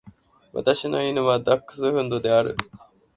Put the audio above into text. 私の犬はダックスフンドである。